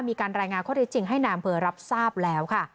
มีการรายงานข้อได้จริงให้นามเพลินรับทราบแล้วค่ะ